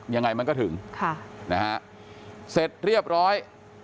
ยังไงมันก็ถึงค่ะนะฮะเสร็จเรียบร้อย